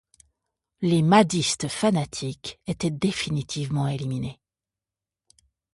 Les mahdistes fanatiques étaient définitivement éliminés.